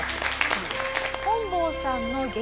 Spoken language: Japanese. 本坊さんの激